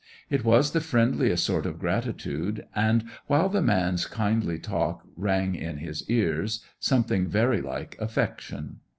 It was the friendliest sort of gratitude and, while the man's kindly talk rang in his ears, something very like affection.